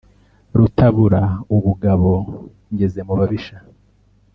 rutabura ubugabo ngeze mu babisha,